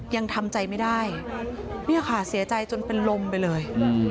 ยังทำใจไม่ได้เนี่ยค่ะเสียใจจนเป็นลมไปเลย